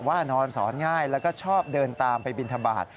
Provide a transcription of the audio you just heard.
ว่านอนสอนง่ายแล้วก็ชอบเดินตามไปบินทบาท